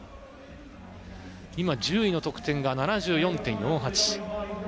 今、１０位の得点が７４．４８。